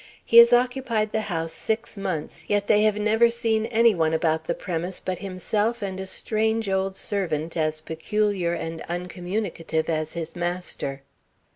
He has occupied the house six months, yet they have never seen any one about the premise but himself and a strange old servant as peculiar and uncommunicative as his master."